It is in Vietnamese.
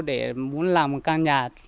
để muốn làm một căn nhà